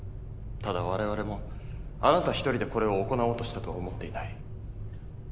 ただ我々もあなた一人でこれを行おうとしたとは思っていない。